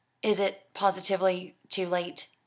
"Is it positively too late?"